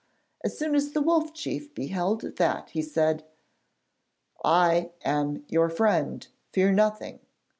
As soon as the Wolf Chief beheld that, he said: 'I am your friend; fear nothing.